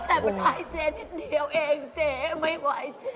แต่มันหายเจ๊นิดเดียวเองเจ๊ไม่ไหวเจ๊